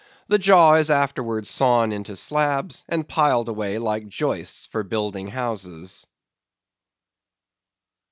The jaw is afterwards sawn into slabs, and piled away like joists for building houses.